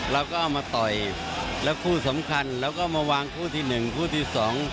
เราก็เอามาต่อยแล้วคู่สำคัญแล้วก็มาวางคู่ที่หนึ่งคู่ที่สอง